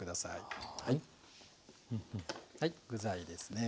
はい具材ですね